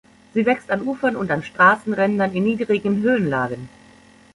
Sie wächst an Ufern und an Straßenrändern in niedrigen Höhenlagen.